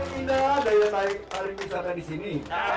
menindah daya pariwisata di sini